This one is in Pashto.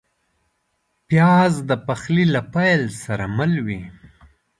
پیاز د پخلي له پیل سره مل وي